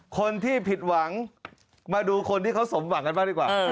คนที่ผิดหวังมาดูคนที่เขาสมหวังกันบ้างดีกว่า